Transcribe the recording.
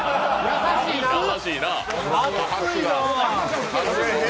優しいな！